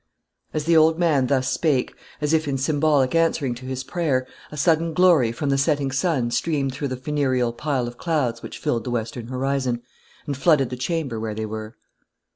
As the old man thus spake as if in symbolic answering to his prayer a sudden glory from the setting sun streamed through the funereal pile of clouds which filled the western horizon, and flooded the chamber where they were.